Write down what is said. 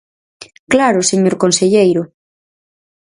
¡Claro, señor conselleiro!